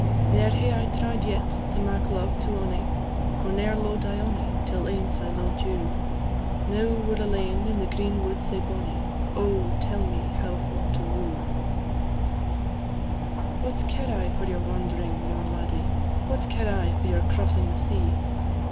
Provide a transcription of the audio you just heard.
Ne'er hae I tried yet to mak love to onie, For ne'er lo'ed I onie till ance I lo'ed you; Now we 're alane in the green wood sae bonnie Oh, tell me how for to woo!" "What care I for your wand'ring, young laddie? What care I for your crossing the sea?